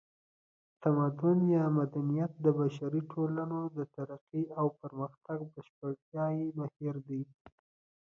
تمدن یا مدنیت د بشري ټولنو د ترقۍ او پرمختګ بشپړتیایي بهیر دی